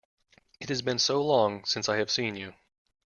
It has been so long since I have seen you!